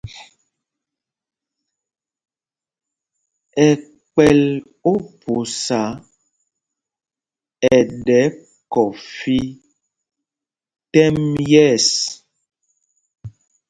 Ɛ kpɛl Ophusa ɛɗɛ kɔfí tɛ́m yɛ̂ɛs.